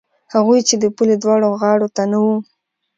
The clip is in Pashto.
هغوی چې د پولې دواړو غاړو ته نه وو.